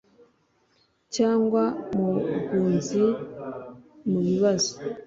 cyangwa mu bwunzi mu bibazo